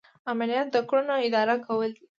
عملیات د کړنو اداره کول دي.